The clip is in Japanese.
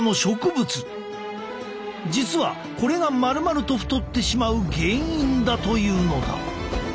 実はこれが丸々と太ってしまう原因だというのだ。